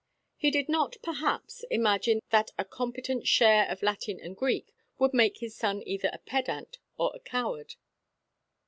He did not, perhaps, imagine that a competent share of Latin and Greek would make his son either a pedant or a coward.